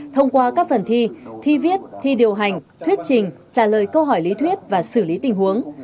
thông qua các phần thi thi viết thi điều hành thuyết trình trả lời câu hỏi lý thuyết và xử lý tình huống